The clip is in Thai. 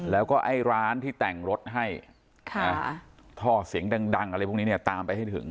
แล้วก็ไอ้ร้านที่แต่งรถให้ท่อเสียงดังอะไรพวกนี้เนี่ยตามไปให้ถึง